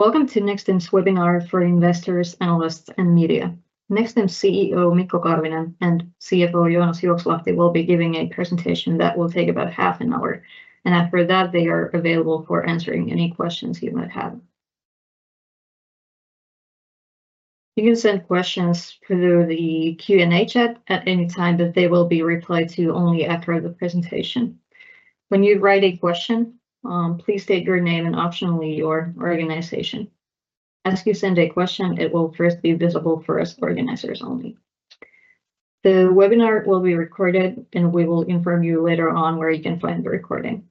Welcome to Nexstim's webinar for investors, analysts, and media. Nexstim's CEO Mikko Karvinen and CFO Joonas Juokslahti will be giving a presentation that will take about half an hour, and after that they are available for answering any questions you might have. You can send questions through the Q&A chat at any time, but they will be replied to only after the presentation. When you write a question, please state your name and optionally your organization. As you send a question, it will first be visible for us organizers only. The webinar will be recorded, and we will inform you later on where you can find the recording.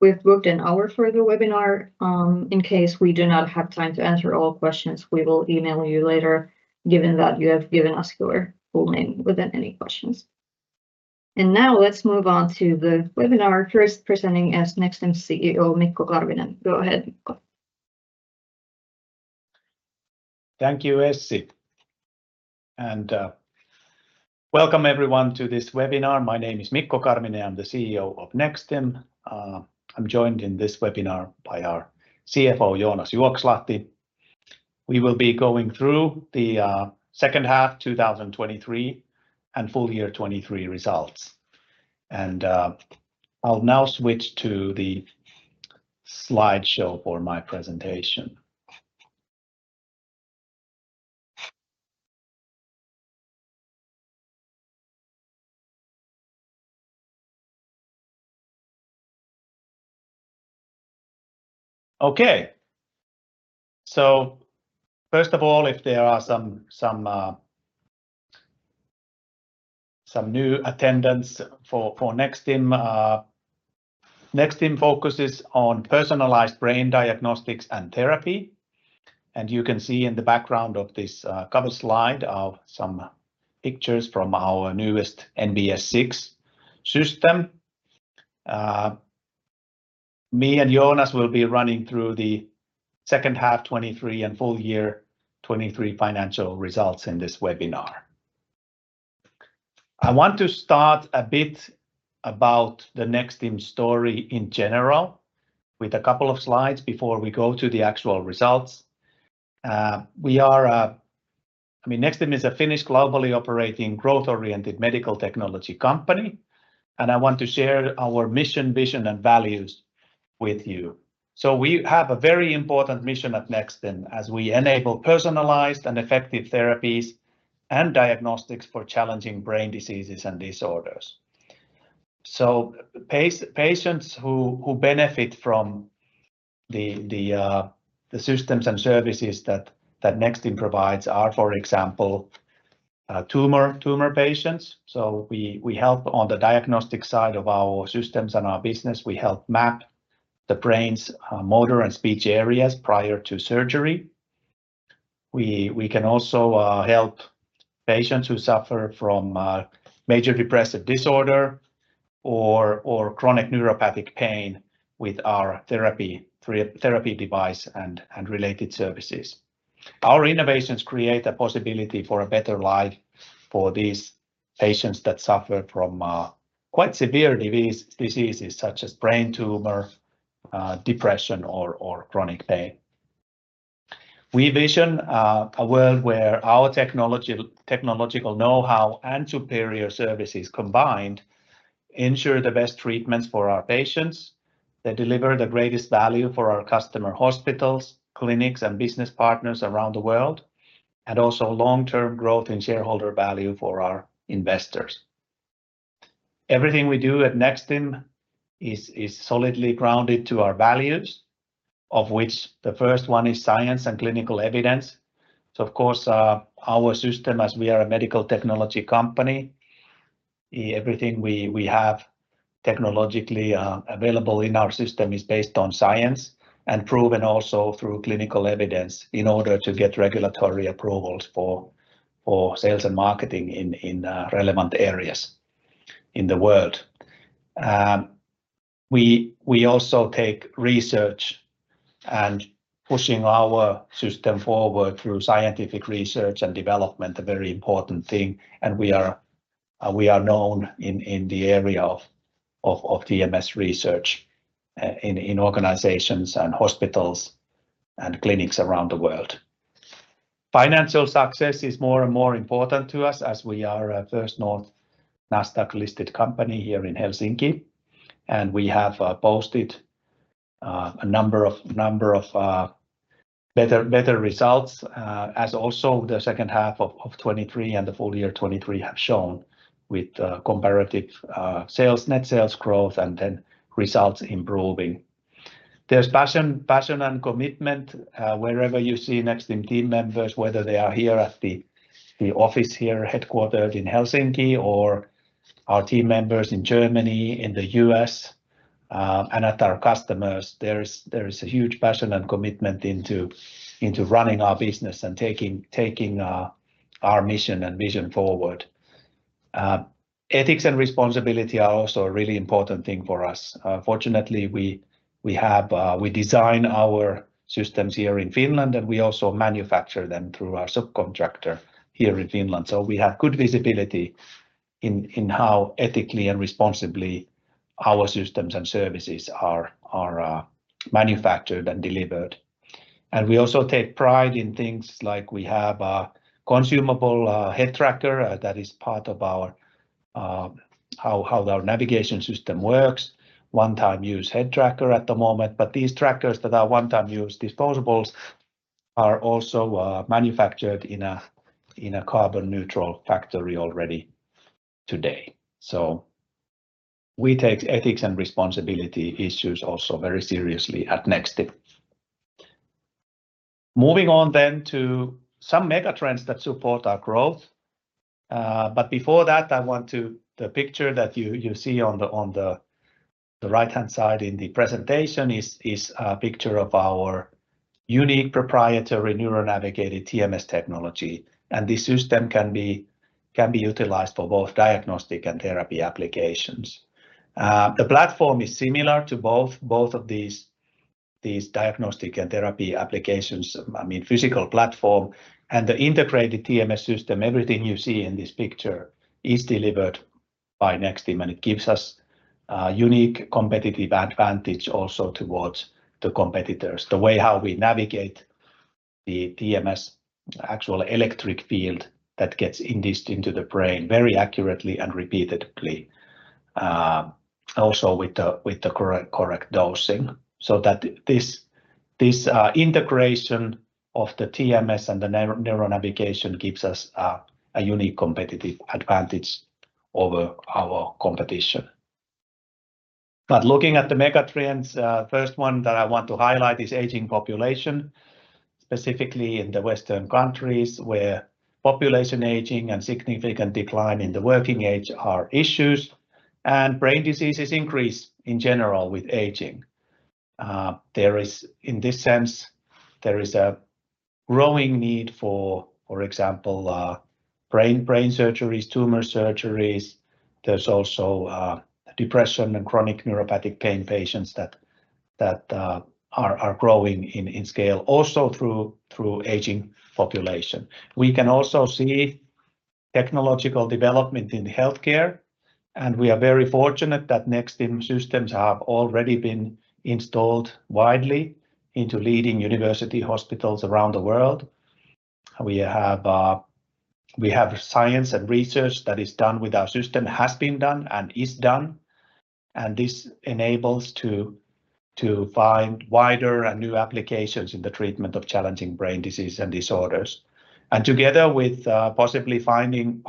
We've booked an hour for the webinar. In case we do not have time to answer all questions, we will email you later given that you have given us your full name within any questions. Now let's move on to the webinar. First presenting is Nexstim's CEO Mikko Karvinen. Go ahead, Mikko. Thank you, Essi. Welcome everyone to this webinar. My name is Mikko Karvinen, I'm the CEO of Nexstim. I'm joined in this webinar by our CFO Joonas Juokslahti. We will be going through the second half 2023 and full year 2023 results. I'll now switch to the slideshow for my presentation. Okay. First of all, if there are some new attendees for Nexstim, Nexstim focuses on personalized brain diagnostics and therapy. You can see in the background of this cover slide some pictures from our newest NBS 6 system. Me and Joonas will be running through the second half 2023 and full year 2023 financial results in this webinar. I want to start a bit about the Nexstim story in general with a couple of slides before we go to the actual results. We are a, I mean, Nexstim is a Finnish globally operating growth-oriented medical technology company, and I want to share our mission, vision, and values with you. So we have a very important mission at Nexstim as we enable personalized and effective therapies and diagnostics for challenging brain diseases and disorders. So patients who benefit from the systems and services that Nexstim provides are, for example, tumor patients. So we help on the diagnostic side of our systems and our business. We help map the brain's motor and speech areas prior to surgery. We can also help patients who suffer from major depressive disorder or chronic neuropathic pain with our therapy device and related services. Our innovations create a possibility for a better life for these patients that suffer from quite severe diseases such as brain tumor, depression, or chronic pain. We envision a world where our technological know-how and superior services combined ensure the best treatments for our patients. They deliver the greatest value for our customer hospitals, clinics, and business partners around the world, and also long-term growth in shareholder value for our investors. Everything we do at Nexstim is solidly grounded to our values, of which the first one is science and clinical evidence. So of course, our system, as we are a medical technology company, everything we have technologically available in our system is based on science and proven also through clinical evidence in order to get regulatory approvals for sales and marketing in relevant areas in the world. We also take research and pushing our system forward through scientific research and development, a very important thing. We are known in the area of TMS research in organizations and hospitals and clinics around the world. Financial success is more and more important to us as we are a Nasdaq First North-listed company here in Helsinki, and we have posted a number of better results as also the second half of 2023 and the full year 2023 have shown with comparative net sales growth and then results improving. There's passion and commitment wherever you see Nexstim team members, whether they are here at the office here headquartered in Helsinki or our team members in Germany, in the U.S., and at our customers. There is a huge passion and commitment into running our business and taking our mission and vision forward. Ethics and responsibility are also a really important thing for us. Fortunately, we design our systems here in Finland, and we also manufacture them through our subcontractor here in Finland. So we have good visibility in how ethically and responsibly our systems and services are manufactured and delivered. And we also take pride in things like we have a consumable head tracker that is part of how our navigation system works, one-time use head tracker at the moment. But these trackers that are one-time use disposables are also manufactured in a carbon-neutral factory already today. So we take ethics and responsibility issues also very seriously at Nexstim. Moving on then to some megatrends that support our growth. But before that, I want to the picture that you see on the right-hand side in the presentation is a picture of our unique proprietary neuronavigated TMS technology, and this system can be utilized for both diagnostic and therapy applications. The platform is similar to both of these diagnostic and therapy applications, I mean, physical platform, and the integrated TMS system, everything you see in this picture, is delivered by Nexstim, and it gives us a unique competitive advantage also towards the competitors, the way how we navigate the TMS, actual electric field that gets induced into the brain very accurately and repeatedly, also with the correct dosing. So that this integration of the TMS and the neuronavigation gives us a unique competitive advantage over our competition. But looking at the megatrends, the first one that I want to highlight is aging population, specifically in the Western countries where population aging and significant decline in the working age are issues, and brain diseases increase in general with aging. In this sense, there is a growing need for, for example, brain surgeries, tumor surgeries. There's also depression and chronic neuropathic pain patients that are growing in scale also through aging population. We can also see technological development in healthcare, and we are very fortunate that Nexstim systems have already been installed widely into leading university hospitals around the world. We have science and research that is done with our system, has been done, and is done. And this enables us to find wider and new applications in the treatment of challenging brain disease and disorders, and together with possibly finding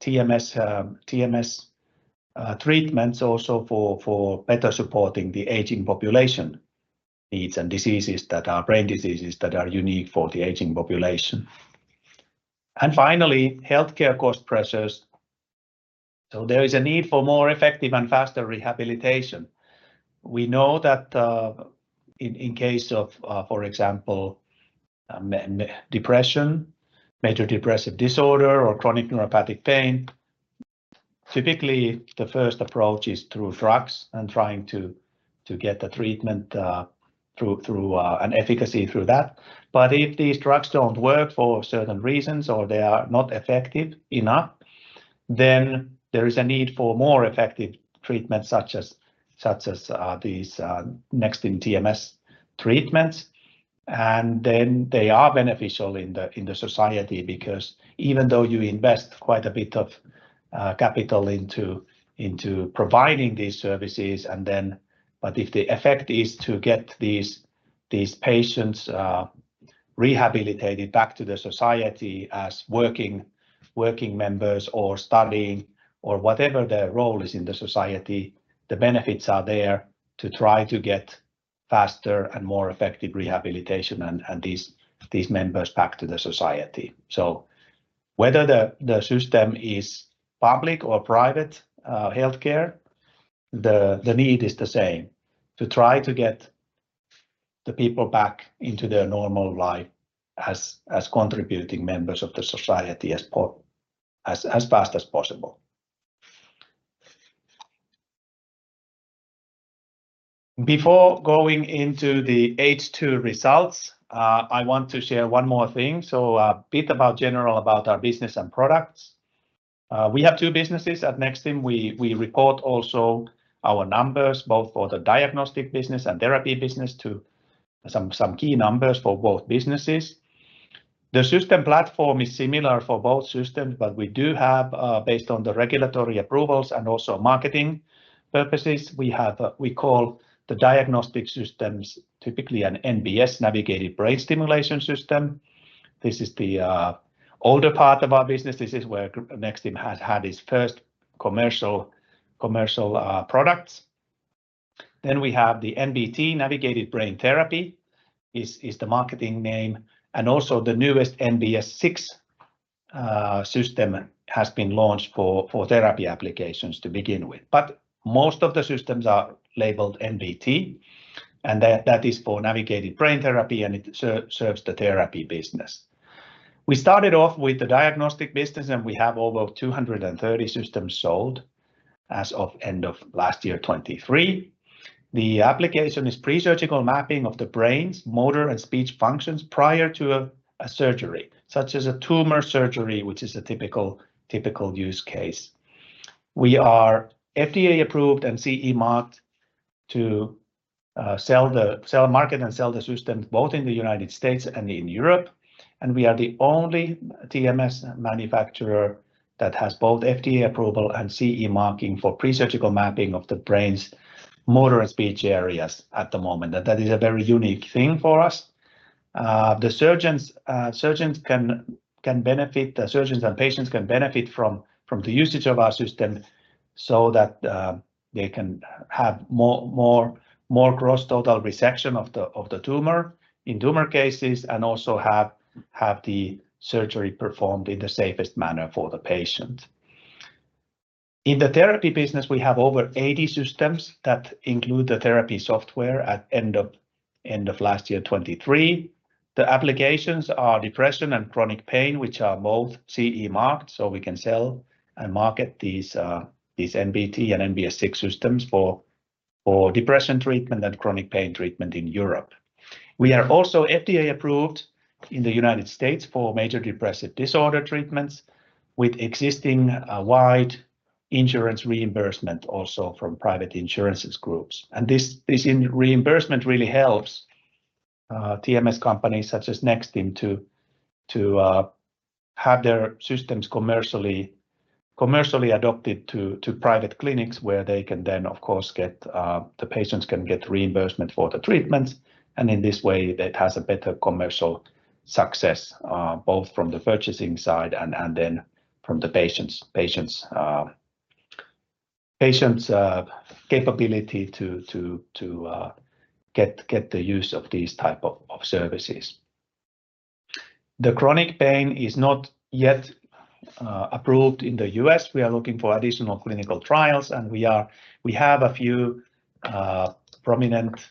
TMS treatments also for better supporting the aging population needs and diseases that are brain diseases that are unique for the aging population. Finally, healthcare cost pressures. So there is a need for more effective and faster rehabilitation. We know that in case of, for example, depression, major depressive disorder, or chronic neuropathic pain, typically the first approach is through drugs and trying to get the treatment through and efficacy through that. But if these drugs don't work for certain reasons or they are not effective enough, then there is a need for more effective treatments such as these Nexstim TMS treatments, and then they are beneficial in the society because even though you invest quite a bit of capital into providing these services, but if the effect is to get these patients rehabilitated back to the society as working members or studying or whatever their role is in the society, the benefits are there to try to get faster and more effective rehabilitation and these members back to the society. So whether the system is public or private healthcare, the need is the same to try to get the people back into their normal life as contributing members of the society as fast as possible. Before going into the H2 results, I want to share one more thing, so a bit general about our business and products. We have two businesses at Nexstim. We report also our numbers both for the diagnostic business and therapy business, some key numbers for both businesses. The system platform is similar for both systems, but we do have, based on the regulatory approvals and also marketing purposes, we call the diagnostic systems typically an NBS Navigated Brain Stimulation system. This is the older part of our business. This is where Nexstim has had its first commercial products. Then we have the NBT Navigated Brain Therapy is the marketing name, and also the newest NBS 6 system has been launched for therapy applications to begin with. But most of the systems are labeled NBT, and that is for Navigated Brain Therapy, and it serves the therapy business. We started off with the diagnostic business, and we have over 230 systems sold as of end of last year 2023. The application is presurgical mapping of the brain's motor and speech functions prior to a surgery such as a tumor surgery, which is a typical use case. We are FDA-approved and CE-marked to market and sell the systems both in the United States and in Europe. And we are the only TMS manufacturer that has both FDA approval and CE marking for presurgical mapping of the brain's motor and speech areas at the moment. That is a very unique thing for us. The surgeons can benefit the surgeons and patients can benefit from the usage of our system so that they can have more gross total resection of the tumor in tumor cases and also have the surgery performed in the safest manner for the patient. In the therapy business, we have over 80 systems that include the therapy software at end of last year 2023. The applications are depression and chronic pain, which are both CE-marked, so we can sell and market these NBT and NBS 6 systems for depression treatment and chronic pain treatment in Europe. We are also FDA-approved in the United States for major depressive disorder treatments with existing wide insurance reimbursement also from private insurances groups. This reimbursement really helps TMS companies such as Nexstim to have their systems commercially adopted to private clinics where they can then, of course, get the patients can get reimbursement for the treatments. In this way, it has a better commercial success both from the purchasing side and then from the patients' capability to get the use of these types of services. Chronic pain is not yet approved in the U.S. We are looking for additional clinical trials, and we have a few prominent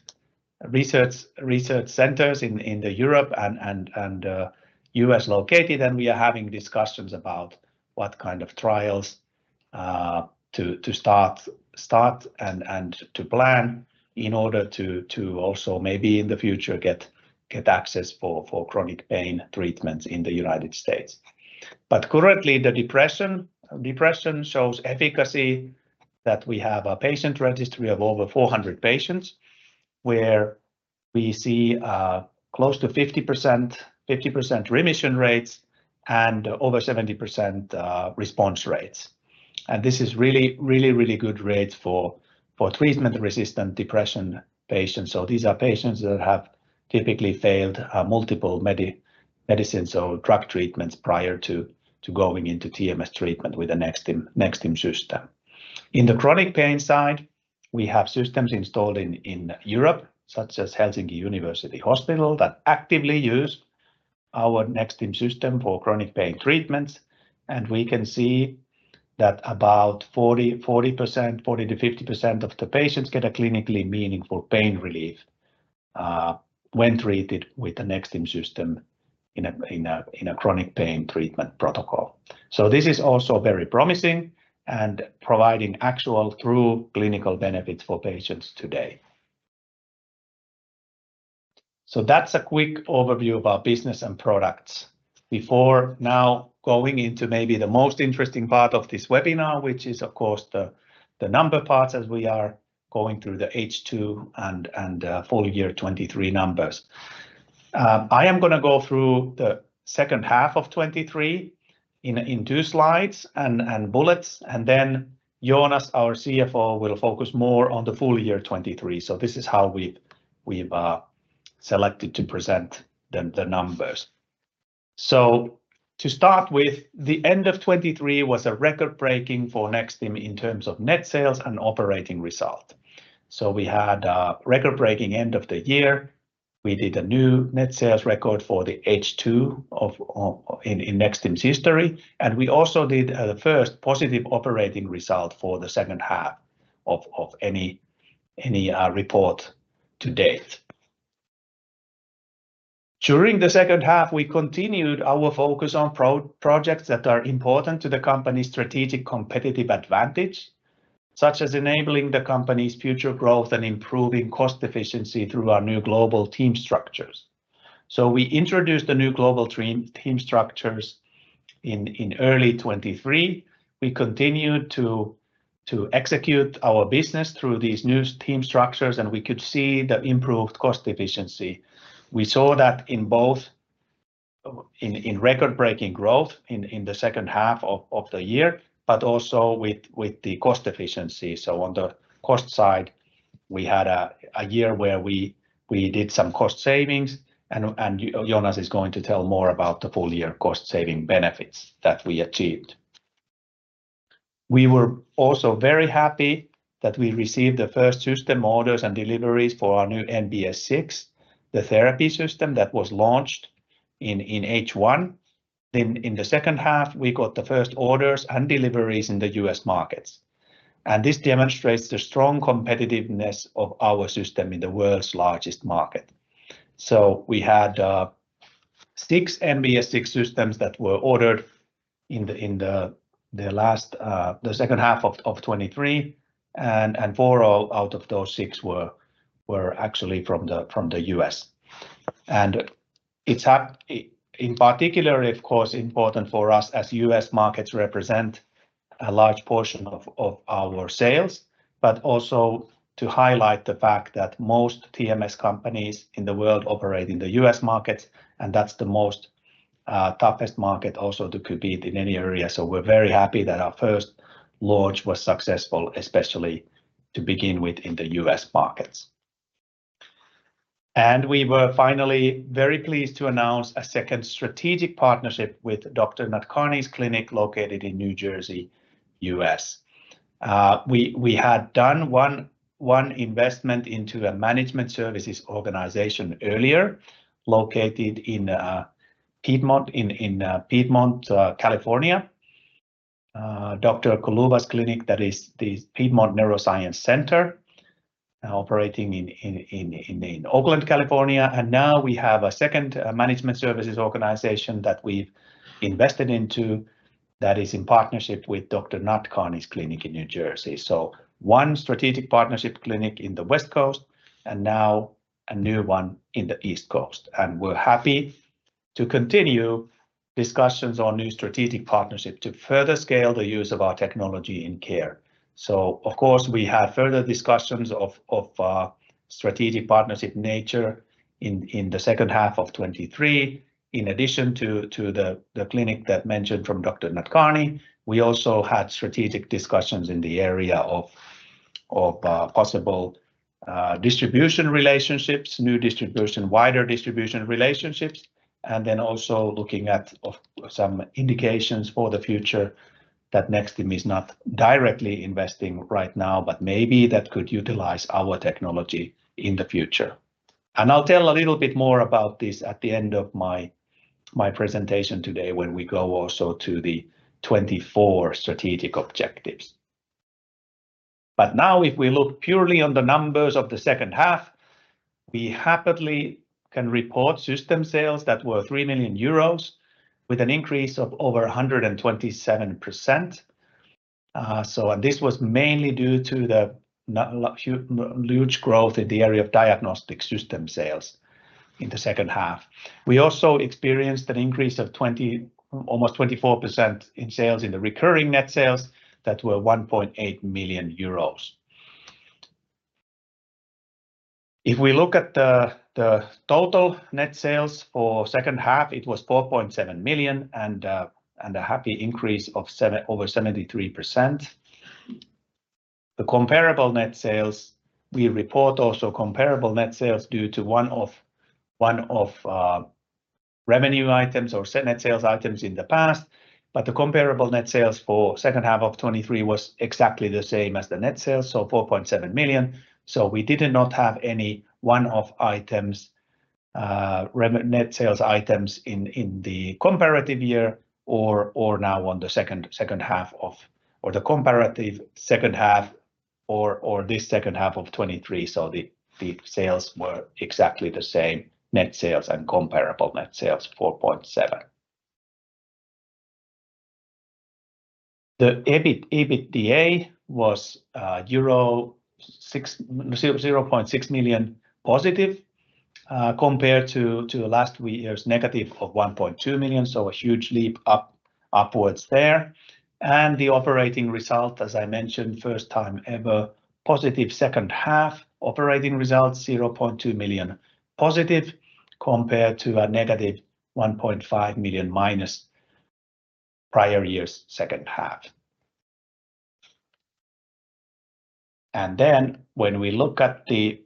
research centers in Europe and U.S. located, and we are having discussions about what kind of trials to start and to plan in order to also maybe in the future get access for chronic pain treatments in the United States. But currently, the depression shows efficacy that we have a patient registry of over 400 patients where we see close to 50% remission rates and over 70% response rates. And this is really, really, really good rates for treatment-resistant depression patients. So these are patients that have typically failed multiple medicines or drug treatments prior to going into TMS treatment with the Nexstim system. In the chronic pain side, we have systems installed in Europe such as Helsinki University Hospital that actively use our Nexstim system for chronic pain treatments. And we can see that about 40%, 40%-50% of the patients get a clinically meaningful pain relief when treated with the Nexstim system in a chronic pain treatment protocol. So this is also very promising and providing actual true clinical benefits for patients today. So that's a quick overview of our business and products before now going into maybe the most interesting part of this webinar, which is, of course, the numbers part as we are going through the H2 and full year 2023 numbers. I am going to go through the second half of 2023 in two slides and bullets, and then Joonas, our CFO, will focus more on the full year 2023. So this is how we've selected to present the numbers. So to start with, the end of 2023 was a record-breaking for Nexstim in terms of net sales and operating result. So we had a record-breaking end of the year. We did a new net sales record for the H2 in Nexstim's history, and we also did the first positive operating result for the second half of any report to date. During the second half, we continued our focus on projects that are important to the company's strategic competitive advantage, such as enabling the company's future growth and improving cost efficiency through our new global team structures. So we introduced the new global team structures in early 2023. We continued to execute our business through these new team structures, and we could see the improved cost efficiency. We saw that in both record-breaking growth in the second half of the year, but also with the cost efficiency. So on the cost side, we had a year where we did some cost savings, and Joonas is going to tell more about the full year cost-saving benefits that we achieved. We were also very happy that we received the first system orders and deliveries for our new NBS 6, the therapy system that was launched in H1. Then in the second half, we got the first orders and deliveries in the U.S. markets. This demonstrates the strong competitiveness of our system in the world's largest market. We had six NBS 6 systems that were ordered in the second half of 2023, and four out of those six were actually from the U.S. It's in particular, of course, important for us as U.S. markets represent a large portion of our sales, but also to highlight the fact that most TMS companies in the world operate in the U.S. markets, and that's the most toughest market also to compete in any area. We're very happy that our first launch was successful, especially to begin with in the U.S. markets. We were finally very pleased to announce a second strategic partnership with Dr. Nadkarni's clinic located in New Jersey, U.S. We had done one investment into a management services organization earlier located in Piedmont, California, Dr. Kuluva's clinic, that is the Piedmont Neuroscience Center operating in Oakland, California. And now we have a second management services organization that we've invested into that is in partnership with Dr. Nadkarni's clinic in New Jersey. So one strategic partnership clinic in the West Coast and now a new one in the East Coast. And we're happy to continue discussions on new strategic partnership to further scale the use of our technology in care. So, of course, we had further discussions of strategic partnership nature in the second half of 2023. In addition to the clinic that mentioned from Dr. Nadkarni, we also had strategic discussions in the area of possible distribution relationships, new distribution, wider distribution relationships, and then also looking at some indications for the future that Nexstim is not directly investing right now, but maybe that could utilize our technology in the future. I'll tell a little bit more about this at the end of my presentation today when we go also to the 2024 strategic objectives. Now, if we look purely on the numbers of the second half, we happily can report system sales that were 3 million euros with an increase of over 127%. This was mainly due to the huge growth in the area of diagnostic system sales in the second half. We also experienced an increase of almost 24% in sales in the recurring net sales that were 1.8 million euros. If we look at the total net sales for second half, it was 4.7 million and a hefty increase of over 73%. The comparable net sales, we report also comparable net sales due to one of revenue items or net sales items in the past. But the comparable net sales for second half of 2023 was exactly the same as the net sales, so 4.7 million. So we did not have any one-off net sales items in the comparative year or now on the second half of or the comparative second half or this second half of 2023. So the sales were exactly the same, net sales and comparable net sales, 4.7 million. The EBITDA was positive 0.6 million compared to last year's negative 1.2 million, so a huge leap upwards there. The operating result, as I mentioned, first time ever positive second half operating results, 0.2 million positive compared to a negative 1.5 million minus prior year's second half. Then when we look at the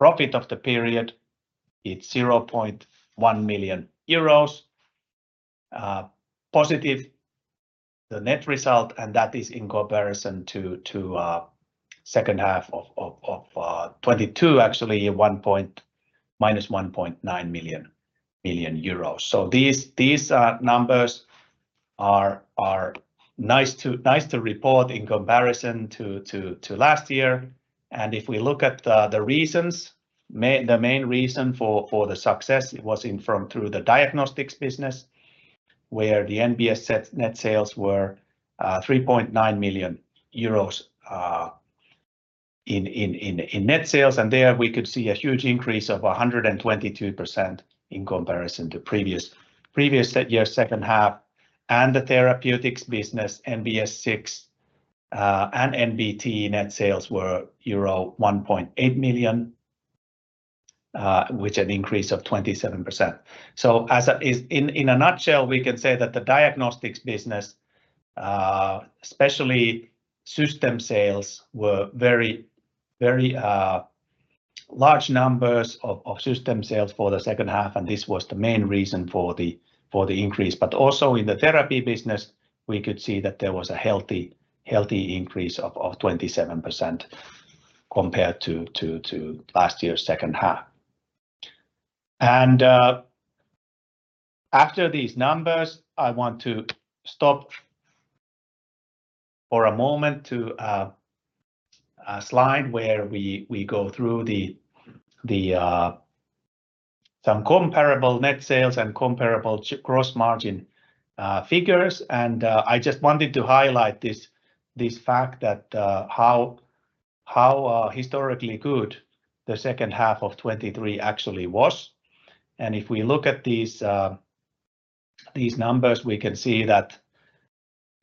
profit of the period, it's 0.1 million euros positive, the net result, and that is in comparison to second half of 2022, actually minus 1.9 million. These numbers are nice to report in comparison to last year. If we look at the reasons, the main reason for the success was through the diagnostics business where the NBS net sales were 3.9 million euros in net sales. There we could see a huge increase of 122% in comparison to previous year's second half. The therapeutics business, NBS 6, and NBT net sales were euro 1.8 million, which is an increase of 27%. So in a nutshell, we can say that the diagnostics business, especially system sales, were very large numbers of system sales for the second half, and this was the main reason for the increase. But also in the therapy business, we could see that there was a healthy increase of 27% compared to last year's second half. After these numbers, I want to stop for a moment to a slide where we go through some comparable net sales and comparable gross margin figures. I just wanted to highlight this fact that how historically good the second half of 2023 actually was. If we look at these numbers, we can see that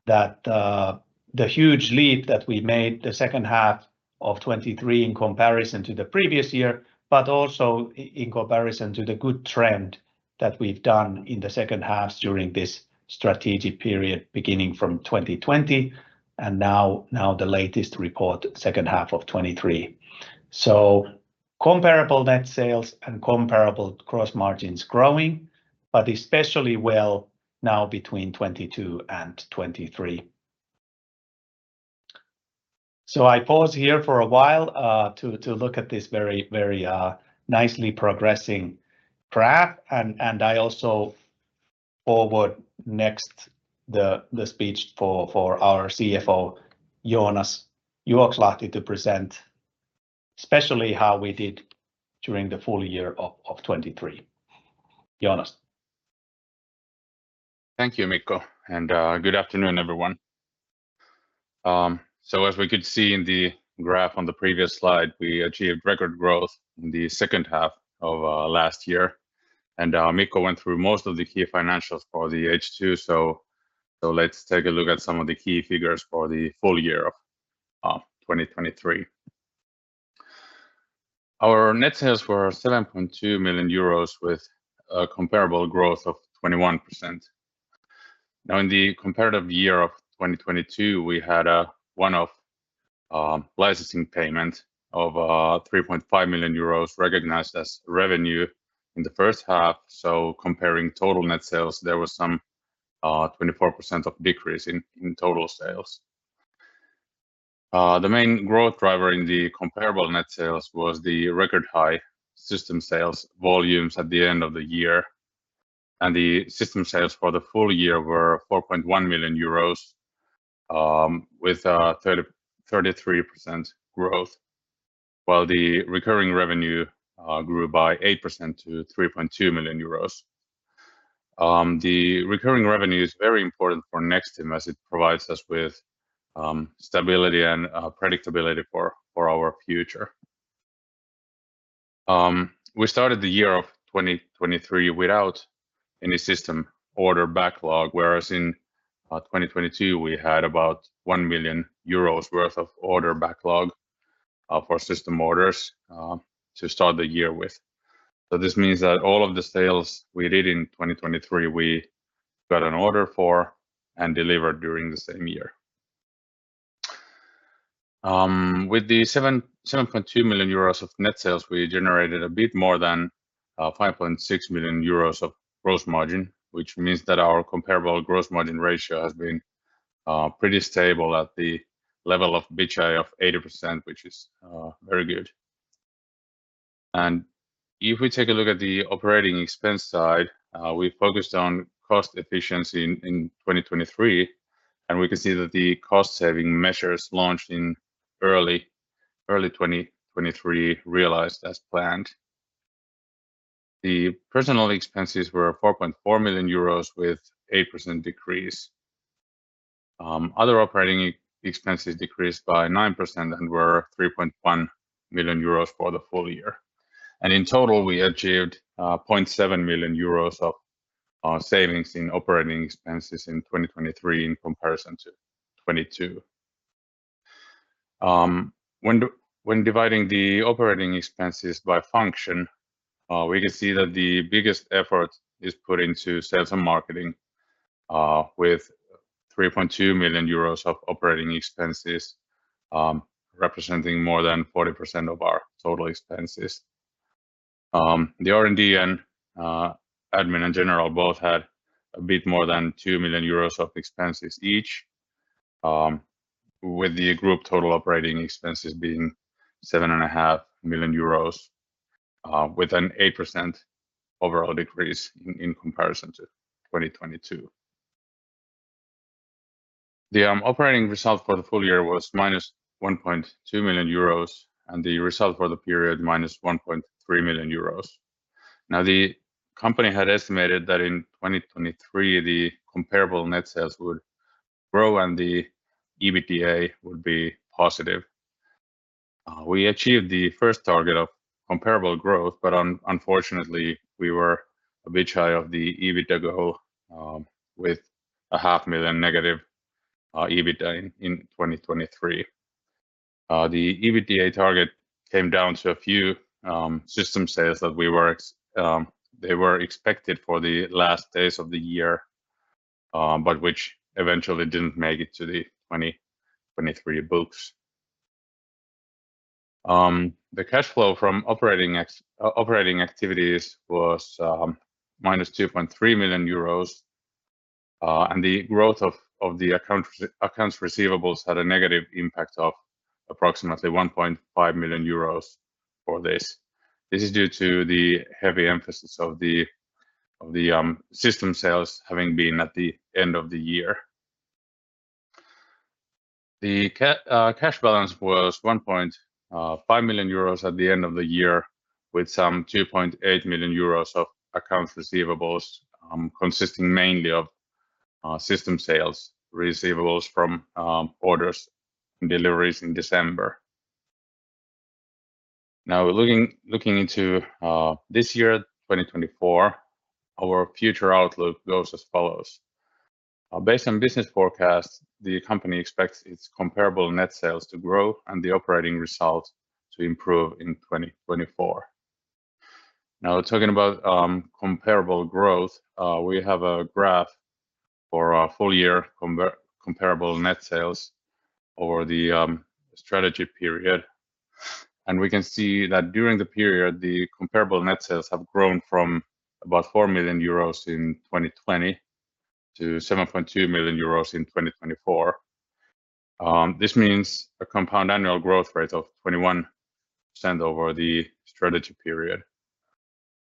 the huge leap that we made, the second half of 2023 in comparison to the previous year, but also in comparison to the good trend that we've done in the second halves during this strategic period beginning from 2020 and now the latest report, second half of 2023. Comparable net sales and comparable gross margins growing, but especially well now between 2022 and 2023. I pause here for a while to look at this very nicely progressing graph. I also forward next the speech for our CFO, Joonas Juokslahti, to present especially how we did during the full year of 2023. Joonas? Thank you, Mikko. Good afternoon, everyone. As we could see in the graph on the previous slide, we achieved record growth in the second half of last year. Mikko went through most of the key financials for the H2. Let's take a look at some of the key figures for the full year of 2023. Our net sales were 7.2 million euros with a comparable growth of 21%. Now, in the comparative year of 2022, we had a one-off licensing payment of 3.5 million euros recognized as revenue in the first half. Comparing total net sales, there was some 24% of decrease in total sales. The main growth driver in the comparable net sales was the record high system sales volumes at the end of the year. The system sales for the full year were 4.1 million euros with 33% growth, while the recurring revenue grew by 8% to 3.2 million euros. The recurring revenue is very important for Nexstim as it provides us with stability and predictability for our future. We started the year of 2023 without any system order backlog, whereas in 2022, we had about 1 million euros worth of order backlog for system orders to start the year with. So this means that all of the sales we did in 2023, we got an order for and delivered during the same year. With the 7.2 million euros of net sales, we generated a bit more than 5.6 million euros of gross margin, which means that our comparable gross margin ratio has been pretty stable at the level of bit shy of 80%, which is very good. And if we take a look at the operating expense side, we focused on cost efficiency in 2023, and we can see that the cost-saving measures launched in early 2023 realized as planned. The personal expenses were 4.4 million euros with 8% decrease. Other operating expenses decreased by 9% and were 3.1 million euros for the full year. And in total, we achieved 0.7 million euros of savings in operating expenses in 2023 in comparison to 2022. When dividing the operating expenses by function, we can see that the biggest effort is put into sales and marketing with 3.2 million euros of operating expenses representing more than 40% of our total expenses. The R&D and admin and general both had a bit more than 2 million euros of expenses each, with the group total operating expenses being 7.5 million euros, with an 8% overall decrease in comparison to 2022. The operating result for the full year was minus 1.2 million euros and the result for the period, minus 1.3 million euros. Now, the company had estimated that in 2023, the comparable net sales would grow and the EBITDA would be positive. We achieved the first target of comparable growth, but unfortunately, we were a bit high of the EBITDA goal with a negative EUR 0.5 million EBITDA in 2023. The EBITDA target came down to a few system sales that they were expected for the last days of the year, but which eventually didn't make it to the 2023 books. The cash flow from operating activities was minus 2.3 million euros, and the growth of the accounts receivables had a negative impact of approximately 1.5 million euros for this. This is due to the heavy emphasis of the system sales having been at the end of the year. The cash balance was 1.5 million euros at the end of the year with some 2.8 million euros of accounts receivables consisting mainly of system sales receivables from orders and deliveries in December. Now, looking into this year, 2024, our future outlook goes as follows. Based on business forecasts, the company expects its comparable net sales to grow and the operating results to improve in 2024. Now, talking about comparable growth, we have a graph for a full year comparable net sales over the strategy period. We can see that during the period, the comparable net sales have grown from about 4 million euros in 2020 to 7.2 million euros in 2024. This means a compound annual growth rate of 21% over the strategy period.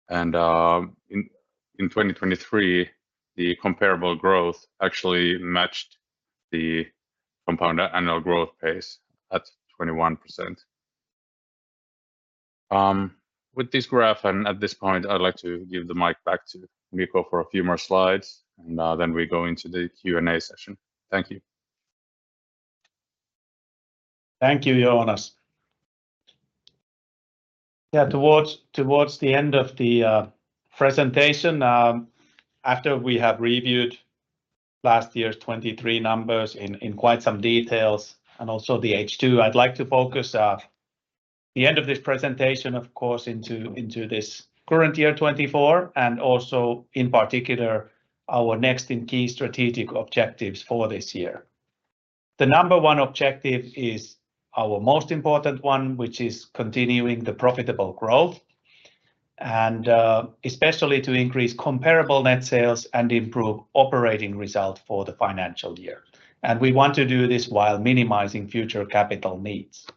In 2023, the comparable growth actually matched the compound annual growth pace at 21%. With this graph, and at this point, I'd like to give the mic back to Mikko for a few more slides, and then we go into the Q&A session. Thank you. Thank you, Joonas. Yeah, towards the end of the presentation, after we have reviewed last year's 2023 numbers in quite some detail and also the H2, I'd like to focus the end of this presentation, of course, into this current year, 2024, and also in particular, Nexstim's key strategic objectives for this year. The number one objective is our most important one, which is continuing the profitable growth, and especially to increase comparable net sales and improve operating results for the financial year. And we want to do this while minimizing future capital needs.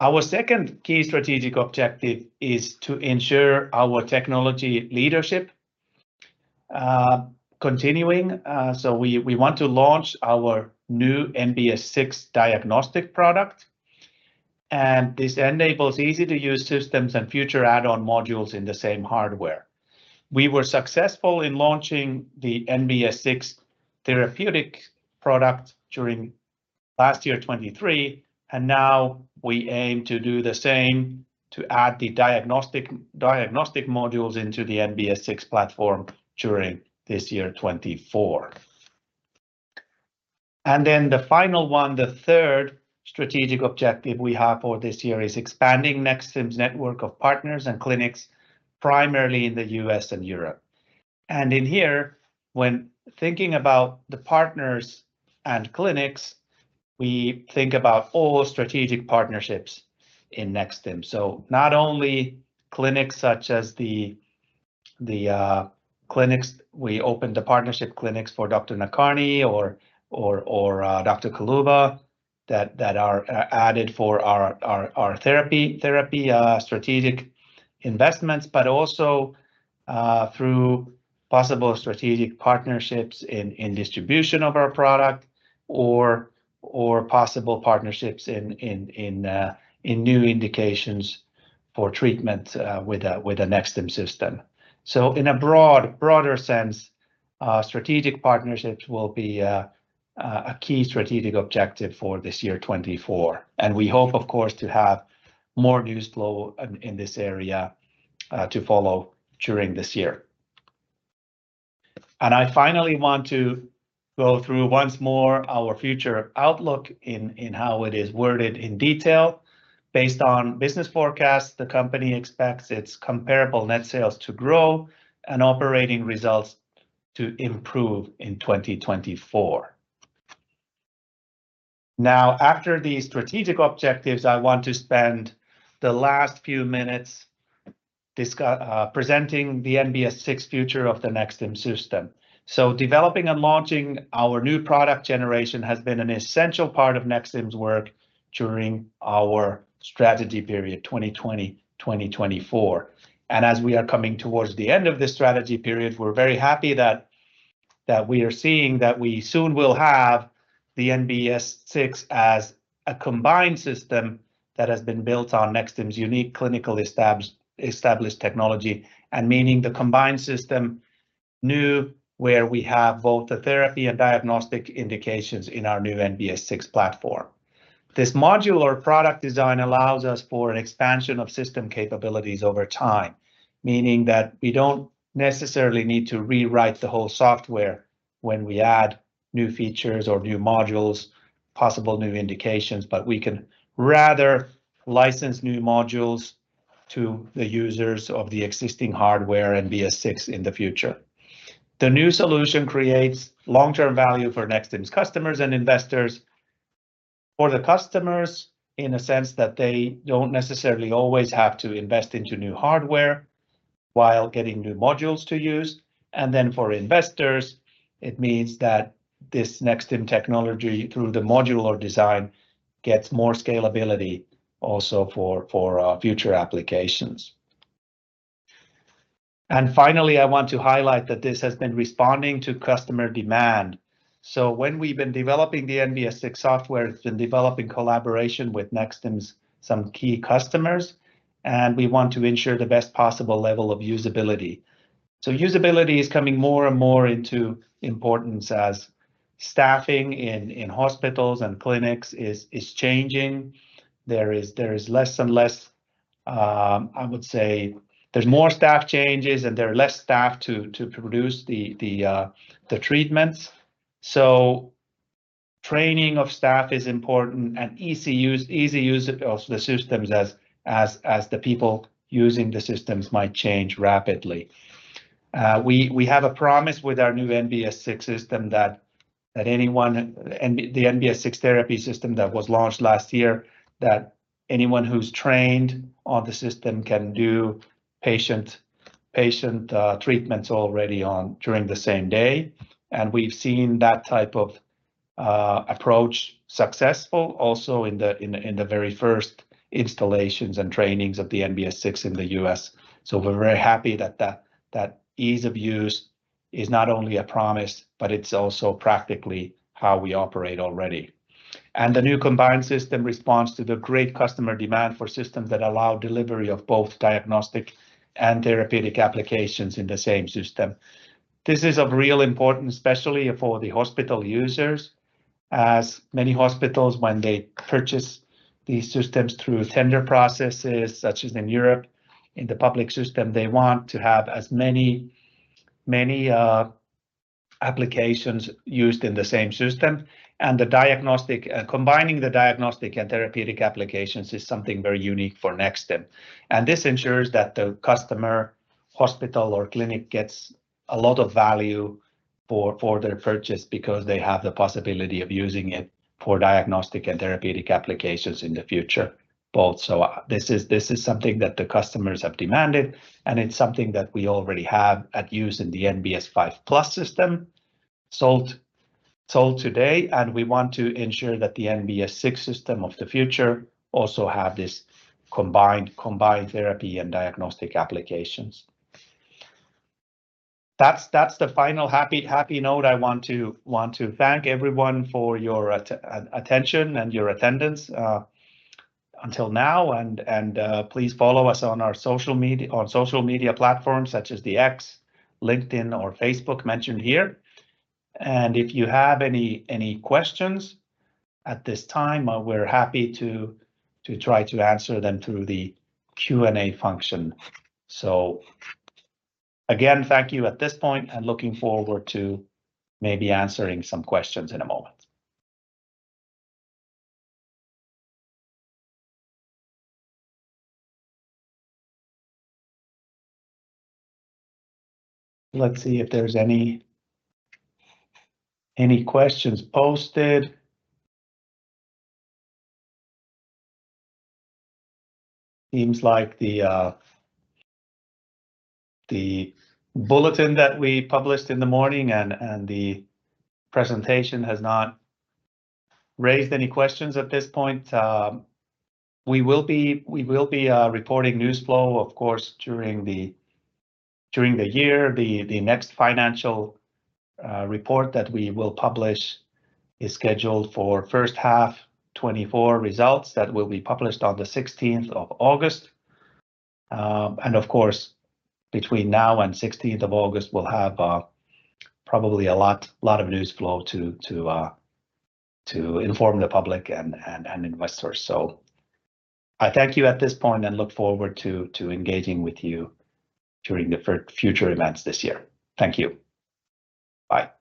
Our second key strategic objective is to ensure our technology leadership continuing. So we want to launch our new NBS 6 diagnostic product. And this enables easy-to-use systems and future add-on modules in the same hardware. We were successful in launching the NBS 6 therapeutic product during last year, 2023, and now we aim to do the same, to add the diagnostic modules into the NBS 6 platform during this year, 2024. And then the final one, the third strategic objective we have for this year is expanding Nexstim's network of partners and clinics, primarily in the U.S. and Europe. And in here, when thinking about the partners and clinics, we think about all strategic partnerships in Nexstim. So not only clinics such as the clinics we opened, the partnership clinics for Dr. Nadkarni or Dr. Kuluva, that are added for our therapy strategic investments, but also through possible strategic partnerships in distribution of our product or possible partnerships in new indications for treatment with a Nexstim system. So in a broader sense, strategic partnerships will be a key strategic objective for this year, 2024. We hope, of course, to have more newsflow in this area to follow during this year. I finally want to go through once more our future outlook in how it is worded in detail. Based on business forecasts, the company expects its comparable net sales to grow and operating results to improve in 2024. Now, after these strategic objectives, I want to spend the last few minutes presenting the NBS 6 future of the Nexstim system. So developing and launching our new product generation has been an essential part of Nexstim's work during our strategy period, 2020-2024. As we are coming towards the end of this strategy period, we're very happy that we are seeing that we soon will have the NBS 6 as a combined system that has been built on Nexstim's unique clinically established technology, and meaning the combined system new where we have both the therapy and diagnostic indications in our new NBS 6 platform. This modular product design allows us for an expansion of system capabilities over time, meaning that we don't necessarily need to rewrite the whole software when we add new features or new modules, possible new indications, but we can rather license new modules to the users of the existing hardware NBS 6 in the future. The new solution creates long-term value for Nexstim's customers and investors, for the customers in a sense that they don't necessarily always have to invest into new hardware while getting new modules to use. Then for investors, it means that this Nexstim technology through the modular design gets more scalability also for future applications. Finally, I want to highlight that this has been responding to customer demand. So when we've been developing the NBS 6 software, it's been developed in collaboration with Nexstim's some key customers, and we want to ensure the best possible level of usability. So usability is coming more and more into importance as staffing in hospitals and clinics is changing. There is less and less, I would say there's more staff changes and there are less staff to produce the treatments. So training of staff is important and easy use of the systems as the people using the systems might change rapidly. We have a promise with our new NBS 6 system that the NBS 6 therapy system that was launched last year, that anyone who's trained on the system can do patient treatments already during the same day. We've seen that type of approach successful also in the very first installations and trainings of the NBS 6 in the U.S. We're very happy that that ease of use is not only a promise, but it's also practically how we operate already. The new combined system responds to the great customer demand for systems that allow delivery of both diagnostic and therapeutic applications in the same system. This is of real importance, especially for the hospital users. As many hospitals, when they purchase these systems through tender processes such as in Europe, in the public system, they want to have as many applications used in the same system. Combining the diagnostic and therapeutic applications is something very unique for Nexstim. This ensures that the customer, hospital, or clinic gets a lot of value for their purchase because they have the possibility of using it for diagnostic and therapeutic applications in the future, both. This is something that the customers have demanded, and it's something that we already have at use in the NBS 5+ system, sold today. We want to ensure that the NBS 6 system of the future also has this combined therapy and diagnostic applications. That's the final happy note. I want to thank everyone for your attention and your attendance until now. Please follow us on our social media platforms such as the X, LinkedIn, or Facebook mentioned here. If you have any questions at this time, we're happy to try to answer them through the Q&A function. So again, thank you at this point, and looking forward to maybe answering some questions in a moment. Let's see if there's any questions posted. Seems like the bulletin that we published in the morning and the presentation has not raised any questions at this point. We will be reporting newsflow, of course, during the year. The next financial report that we will publish is scheduled for first half 2024 results that will be published on the 16th of August. And of course, between now and 16th of August, we'll have probably a lot of newsflow to inform the public and investors. So I thank you at this point and look forward to engaging with you during the future events this year. Thank you. Bye.